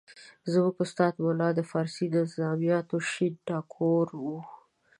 زموږ استاد ملا د فارسي د نظمیاتو شین ټاګور وو.